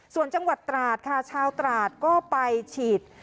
ส่วนจังหวัดตราดค่ะชาวตราดก็ไปฉีด